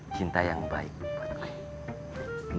cinta yang baik buat kalian